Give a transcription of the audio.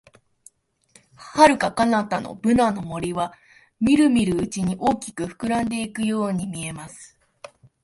遥か彼方のブナの森は、みるみるうちに大きく膨らんでいくように見えます。